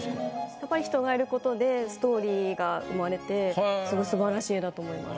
やっぱり人がいることでストーリーが生まれてすごいすばらしい絵だと思います。